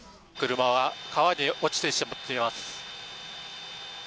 車は川に落ちてしまっています。